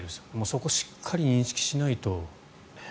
そこをしっかり認識しないと。